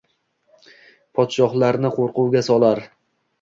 Podshohlarni qoʻrquvga solar